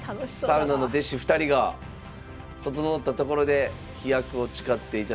サウナの弟子２人が整ったところで飛躍を誓っていただきましょう。